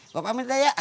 gue pamit dah ya